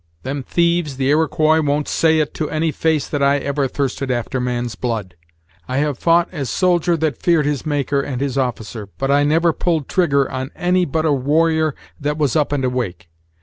Them thieves, the Iroquois, won't say it to any face that I ever thirsted after man's blood, I have fou't as soldier that feared his Maker and his officer, but I never pulled trigger on any but a warrior that was up and awake.